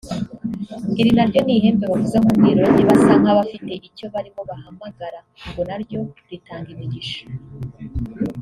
Iri naryo n’ihembe bavuza nk’umwirongi basa nk’abafite icyo barimo bahamagara ngo naryo ritanga imigisha